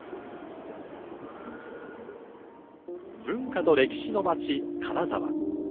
文化と歴史の街、金沢。